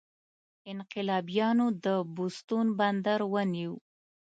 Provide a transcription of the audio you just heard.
انقلابیانو د بوستون بندر ونیو.